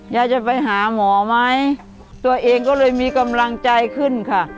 จะไปหาหมอไหมตัวเองก็เลยมีกำลังใจขึ้นค่ะ